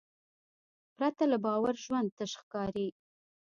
پرته له باور ژوند تش ښکاري.